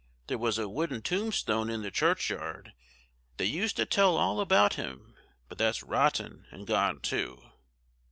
There was a wooden tombstone in the churchyard that used to tell all about him, but that's rotten and gone too."